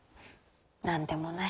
何でもない。